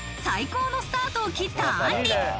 最高のスタートを切ったあんり。